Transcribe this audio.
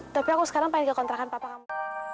tapi aku sekarang pengen ke kontrakan papa kamu